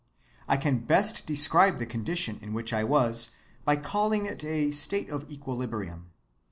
I can best describe the condition in which I was by calling it a state of equilibrium.